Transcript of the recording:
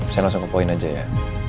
saya langsung ke poin aja ya